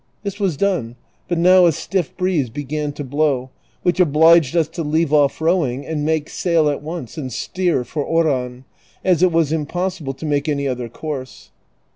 This was done, but now a stiff breeze began to blow, which obliged us to leave off rowing and make sail at once and steer for Oran, as it was impossible to make any other course.